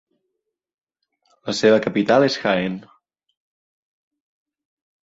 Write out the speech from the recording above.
La seva capital és Jaén.